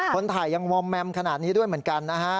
คนถ่ายยังวอร์มแมมขนาดนี้ด้วยเหมือนกันนะฮะ